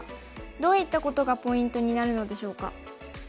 どういったことがポイントになるのでしょうか。